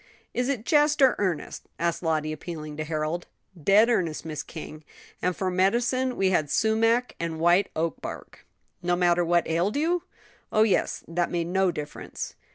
"Is it jest; or earnest?" asked Lottie, appealing to Harold. "Dead earnest, Miss King; and for medicine we had sumac and white oak bark." "No matter what ailed you?" "Oh, yes; that made no difference."